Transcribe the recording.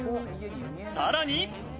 さらに。